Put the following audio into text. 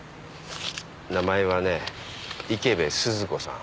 名前はね池部鈴子さん。